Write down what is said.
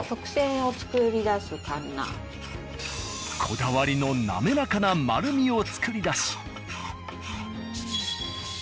こだわりの滑らかな丸みを作り出し。